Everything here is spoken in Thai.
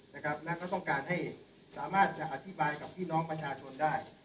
แล้วก็ต้องการให้สามารถจะอธิบายกับพี่น้องประชาชนได้